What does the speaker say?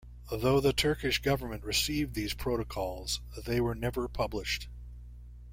Though the Turkish government received these protocols, they were never published.